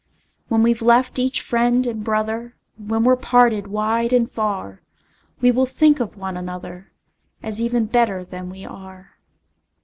When we've left each friend and brother, When we're parted wide and far, We will think of one another, As even better than we are.